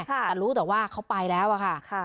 แต่รู้แต่ว่าเขาไปแล้วอะค่ะ